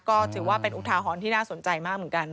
ก็ถือว่าเป็นอุทาหรณ์ที่น่าสนใจมากเหมือนกัน